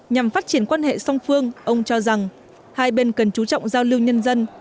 nhằm phát triển quan hệ song phương ông cho rằng hai bên cần chú trọng giao lưu nhân dân